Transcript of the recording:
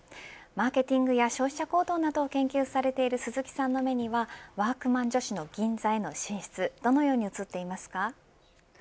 マーケティングや消費者行動を研究している鈴木さんの目にはワークマン女子の銀座への進出はどう映っていますか。